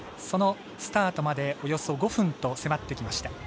そのスタートまでおよそ５分と迫ってきました。